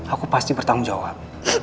aku pasti bertanggung jawab